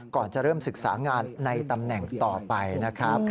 ก่อนจะเริ่มศึกษางานในตำแหน่งต่อไปนะครับ